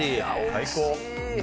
最高。